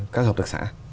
các hộ tực xã